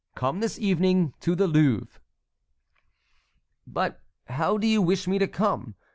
Come this evening to the Louvre." "But how do you wish me to come?